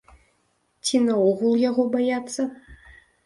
Ці, наогул, яго баяцца?